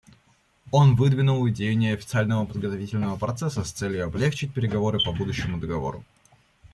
Он выдвинул идею неофициального подготовительного процесса с целью облегчить переговоры по будущему договору.